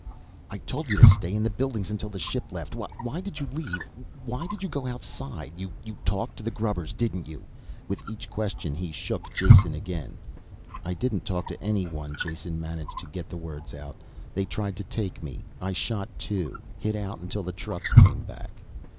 "I told you to stay in the buildings until the ship left. Why did you leave? Why did you go outside? You talked to the grubbers didn't you?" With each question he shook Jason again. "I didn't talk to anyone." Jason managed to get the words out. "They tried to take me, I shot two hid out until the trucks came back."